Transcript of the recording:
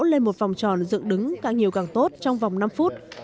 lên một vòng tròn dựng đứng càng nhiều càng tốt trong vòng năm phút